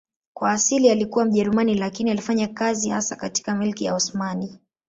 Kwa asili alikuwa Mjerumani lakini alifanya kazi hasa katika Milki ya Osmani.